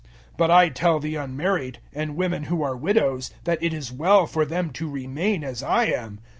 007:008 But I tell the unmarried, and women who are widows, that it is well for them to remain as I am.